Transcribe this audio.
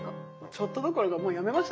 ちょっとどころかもうやめましたね。